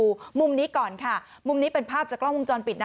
คุณผู้ชมได้ดูมุมนี้ก่อนค่ะมุมนี้เป็นภาพจากกล้องมุมจรปิดนะ